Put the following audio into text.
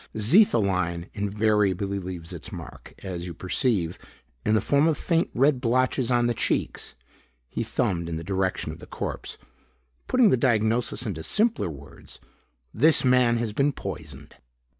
Xetholine invariably leaves its mark, as you perceive, in the form of faint red blotches on the cheeks." He thumbed in the direction of the corpse. "Putting the diagnosis into simpler words, this man has been poisoned.